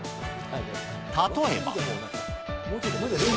例えば。